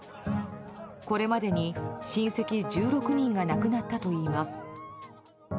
これまでに、親戚１６人が亡くなったといいます。